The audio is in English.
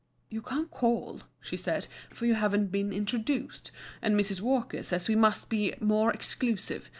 "You can't call," she said, "for you haven't been introduced, and Mrs. Walker says we must be more exclusive.